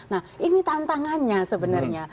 nah ini tantangannya sebenarnya